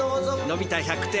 のび太１００点。